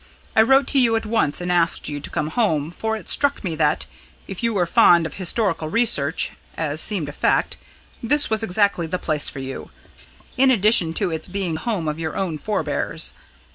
I wrote to you at once and asked you to come home, for it struck me that if you were fond of historical research as seemed a fact this was exactly the place for you, in addition to its being the home of your own forbears.